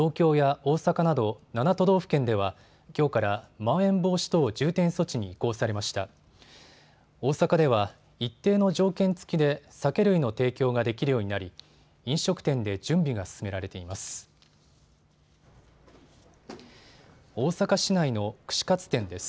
大阪では一定の条件付きで酒類の提供ができるようになり飲食店で準備が進められています。